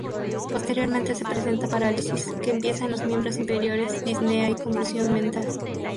Posteriormente se presenta parálisis, que empieza en los miembros inferiores, disnea y confusión mental.